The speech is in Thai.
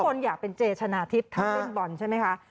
ทุกคนอยากเป็นเจชนะทิพถ้าเป็นบอลใช่ไหมคะ